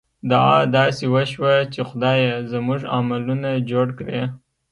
دعا داسې وشوه چې خدایه! زموږ عملونه جوړ کړې.